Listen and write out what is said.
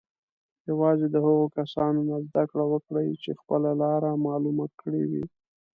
یوازې د هغو کسانو نه زده کړه وکړئ چې خپله لاره معلومه کړې وي.